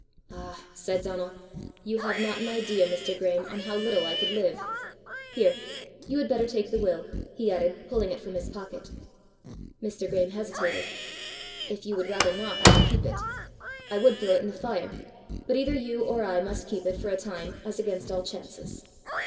"Ah," said Donal, "you have not an idea, Mr. Graeme, on how little I could live! Here, you had better take the will," he added, pulling it from his pocket. Mr. Graeme hesitated. "If you would rather not, I will keep it. I would throw it in the fire, but either you or I must keep it for a time as against all chances."